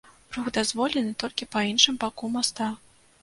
Рух дазволены толькі па іншым баку моста.